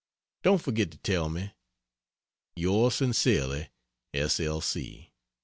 Don't forget to tell me. Yours Sincerely S. L. C.